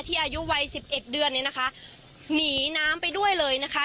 อายุวัยสิบเอ็ดเดือนเนี่ยนะคะหนีน้ำไปด้วยเลยนะคะ